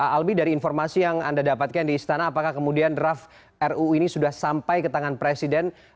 albi dari informasi yang anda dapatkan di istana apakah kemudian draft ruu ini sudah sampai ke tangan presiden